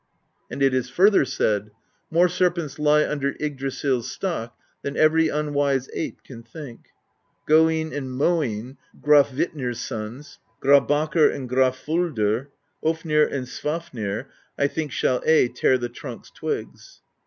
And it is further said: More serpents lie under Yggdrasill's stock Than every unwise ape can think: Goinn and Moinn (they 're Grafvitnir's sons), Grabakr and Grafvolludr; Ofnir and Svafnir I think shall aye Tear the trunk's twigs.